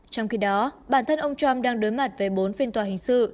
trong khi đó bản thân ông trump đang đối mặt với bốn phiên tòa hình sự